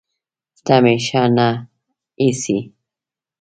ته مې ښه نه ايسې